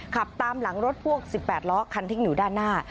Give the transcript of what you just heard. ขับตามหลังรถพ่วง๑๘ล้อคันทิ้งอยู่ด้านหน้า